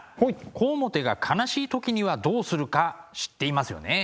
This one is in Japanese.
小面が悲しい時にはどうするか知っていますよね？